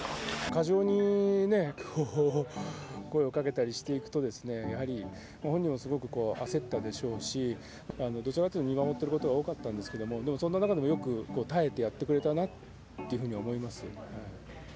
過剰にね、声をかけたりしていくと、やはり本人もすごく焦ったでしょうし、どちらかというと見守っていることが多かったんですけれども、でもそんな中でもよく耐えてやってくれたなというふうに思います。